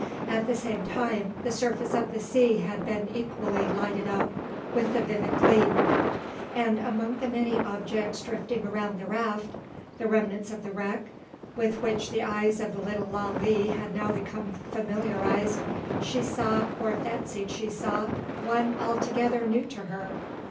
At the same time the surface of the sea had been equally lighted up with the vivid gleam; and among the many objects drifting around the raft, the remnants of the wreck, with which the eyes of the little Lalee had now become familiarised, she saw, or fancied she saw, one altogether new to her.